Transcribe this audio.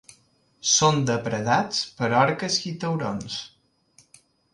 Són depredats per orques i taurons.